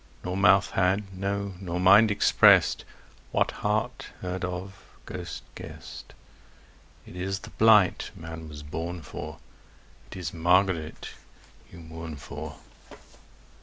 Nor mouth had, no nor mind, expressed What heart heard of, ghost guessed: It is the blight man was born for, It is Margaret you mourn for.